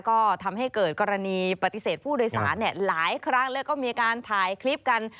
ก็ทำให้เกิดกรณีปฏิเสธผู้โดยสารหลายครั้งแล้วก็มีการถ่ายคลิปกัน